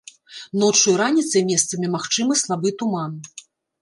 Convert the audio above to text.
Ноччу і раніцай месцамі магчымы слабы туман.